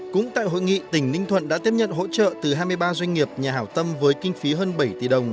cũng tại hội nghị tỉnh ninh thuận đã tiếp nhận hỗ trợ từ hai mươi ba doanh nghiệp nhà hảo tâm với kinh phí hơn bảy tỷ đồng